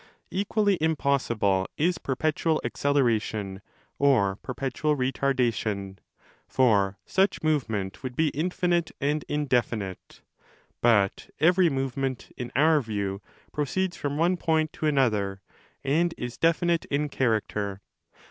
Equally impossible is perpetual acceleration or perpetual retardation. For such movement would be in finite and indefinite,*> but every movement, in our view, 30 proceeds from one point to another and is definite in character.